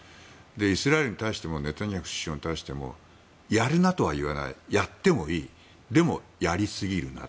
イスラエルに対してもネタニヤフ首相に対してもやるなとは言わないやってもいいでもやりすぎるな。